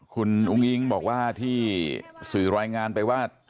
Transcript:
คุณอุ้งอิ๊งบอกว่าที่สื่อรายงานไปว่า